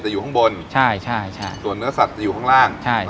แต่อยู่ข้างบนใช่ใช่ส่วนเนื้อสัตว์อยู่ข้างล่างใช่